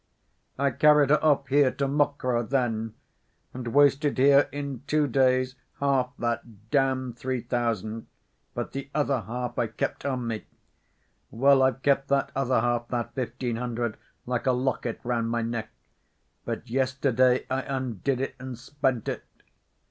I carried her off here to Mokroe then, and wasted here in two days half that damned three thousand, but the other half I kept on me. Well, I've kept that other half, that fifteen hundred, like a locket round my neck, but yesterday I undid it, and spent it.